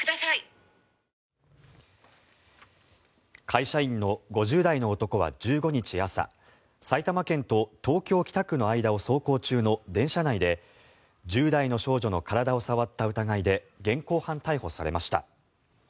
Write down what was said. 会社員の５０代の男は１５日朝埼玉県と東京・北区の間を走行中の電車内で１０代の少女の体を触った疑いで現行犯逮捕されました。